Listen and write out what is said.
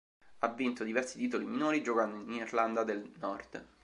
Ha vinto diversi titoli minori giocando in Irlanda del Nord.